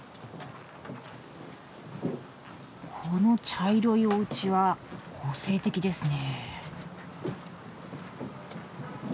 この茶色いおうちは個性的ですね。